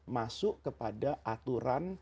masuk kepada aturan